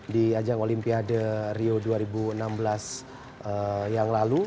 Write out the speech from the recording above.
di ajang olimpiade rio dua ribu enam belas yang lalu